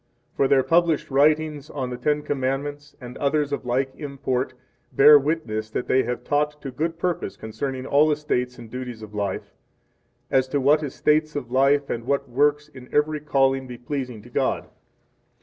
2 For their published writings on the Ten Commandments, and others of like import, bear witness that they have taught to good purpose concerning all estates and duties of life, as to what estates of life and what works in every calling be pleasing to God.